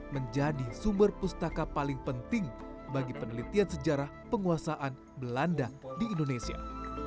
menjadi sumber pustaka paling penting bagi penelitian sejarah penguasaan belanda di indonesia